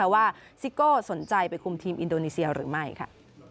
ซิโก้สนใจไปคุมทีมอินโดนีเซียหรือไม่ค่ะ